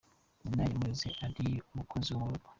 Nyina yamureze ari umukozi wo mu rugo.